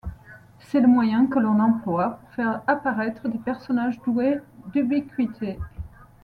C’est le moyen que l’on emploie pour faire apparaître des personnages doués d’ubiquité.